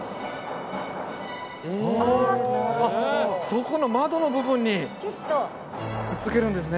そこの窓の部分にくっつけるんですね。